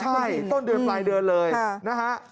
ใช่ต้นเดือนปลายเดือนเลยนะฮะ